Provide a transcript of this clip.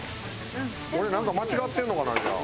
俺なんか間違ってるのかなじゃあ。